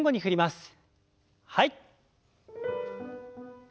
はい。